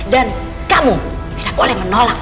dan kamu tidak boleh menolak